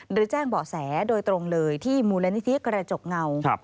หรือแจ้งเบาะแสโดยตรงเลยที่มูลนิธิกระจกเงา